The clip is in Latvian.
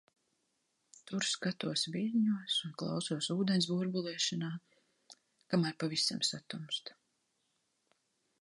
Tur skatos viļņos un klausos ūdens burbulēšanā, kamēr pavisam satumst.